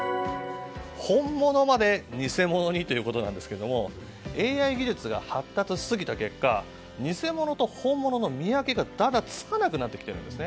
本物まで偽物にということなんですがＡＩ技術が発達しすぎた結果偽物と本物の見分け方がつかなくなってきているんです。